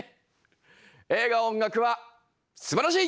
「映画音楽はすばらしい！」。